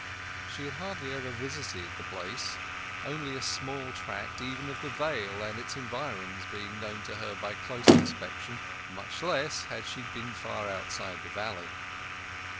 She had hardly ever visited the place, only a small tract even of the Vale and its environs being known to her by close inspection. Much less had she been far outside the valley.